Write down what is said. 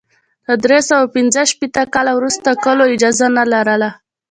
له درې سوه پنځه شپېته کال وروسته کلو اجازه نه لرله.